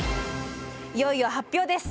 いよいよ発表です。